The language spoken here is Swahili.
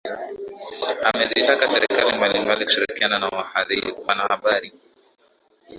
amezitaka serikali mbalimbali kushirikiana na wanahabari